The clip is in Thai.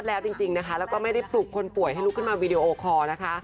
แล้วก็ไม่ได้ปลุกคนป่วยให้ลุกขึ้นมาวีดีโอคอร์นะคะ